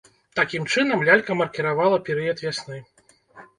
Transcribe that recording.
Такім чынам, лялька маркіравала перыяд вясны.